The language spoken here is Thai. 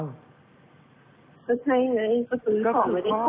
ก็ใช่ไงก็ซื้อของไม่ได้